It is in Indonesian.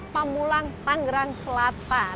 pemulang tanggerang selatan